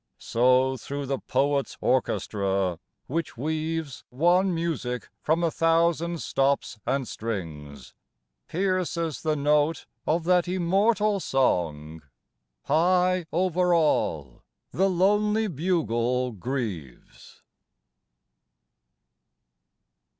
So through the poet's orchestra, which weaves One music from a thousand stops and strings, Pierces the note of that immortal song: "High over all the lonely bugle grieves."